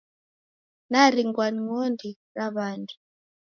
Naringwa ni ng'ondi ra w'andu.